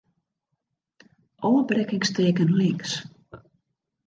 Ofbrekkingsteken links.